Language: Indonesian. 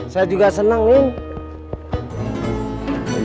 saya juga senang nin